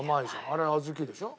あれ小豆でしょ？